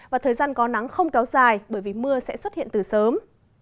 và thời gian có nắng không kéo dài bởi vì mưa sẽ xuất hiện từ sớm